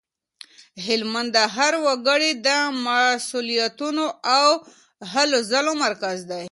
هلمند د هر وګړي د مسولیتونو او هلو ځلو مرکز دی.